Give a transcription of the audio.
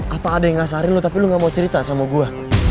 apa ada yang ngasari lo tapi lu gak mau cerita sama gue